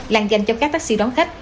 làng dành cho các taxi đón khách